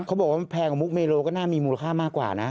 เขาบอกว่าแพงกว่ามุกเมโลก็น่ามีมูลค่ามากกว่านะ